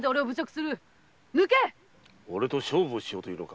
俺と勝負しようというのか。